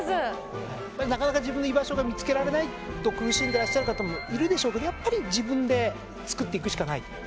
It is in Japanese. これなかなか自分の居場所が見つけられないと苦しんでらっしゃる方もいるでしょうけどやっぱり自分で作っていくしかない。